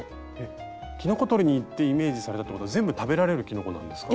きのこ採りに行ってイメージされたってことは全部食べられるきのこなんですか？